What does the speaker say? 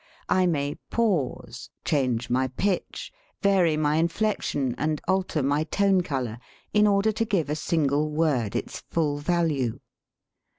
I may pause, change my pitch, vary my inflection, and alter my tone color, in order to give a single word its full value.